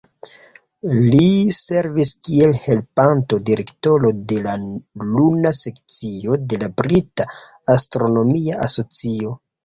Ll servis kiel Helpanta Direktoro de la Luna Sekcio de la Brita Astronomia Asocio.